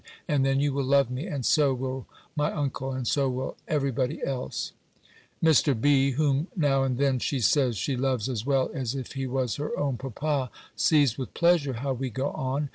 and then you will love me, and so will my uncle, and so will every body else." Mr. B. whom now and then, she says, she loves as well as if he was her own papa, sees with pleasure how we go on.